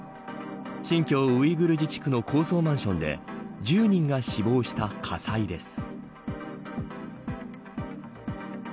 新疆ウイグル自治区の高層マンションで１０人が死亡した火災です。